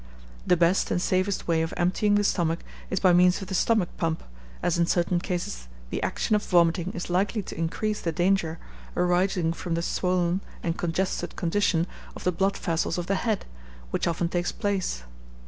The best and safest way of emptying the stomach is by means of the stomach pump, as in certain cases the action of vomiting is likely to increase the danger arising from the swollen and congested condition of the blood vessels of the head, which often takes place.